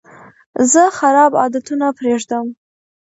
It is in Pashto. زه خراب عادتونه پرېږدم.